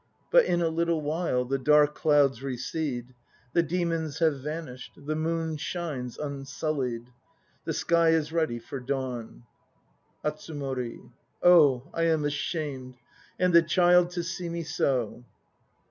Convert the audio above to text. But in a little while The dark clouds recede; The demons have vanished, The moon shines unsullied; The sky is ready for dawn. ATSUMORI. Oh! I am ashamed. ... And the child to see me so.